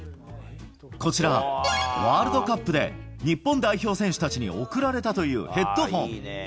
こちら、ワールドカップで日本代表選手たちに贈られたというヘッドホン。